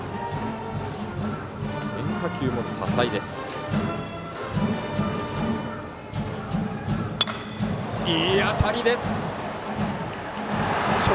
変化球も多彩です。